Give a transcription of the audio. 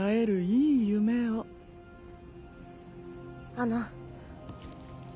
あの。